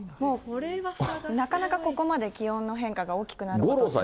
なかなかここまで気温の変化が大きくなることってないです。